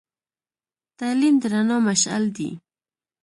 تعلیم د رڼا مشعل دی.